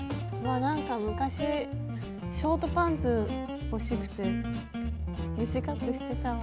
あなんか昔ショートパンツ欲しくて短くしてたわ。